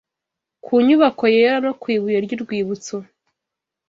ku nyubako yera no ku ibuye ry’urwibutso